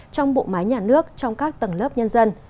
trong bộ máy nhà nước trong các tầng lớp nhân dân